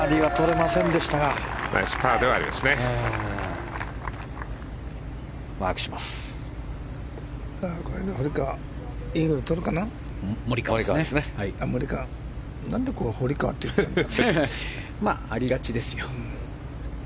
まあ、ありがちですよ。